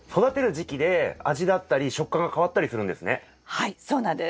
はいそうなんです。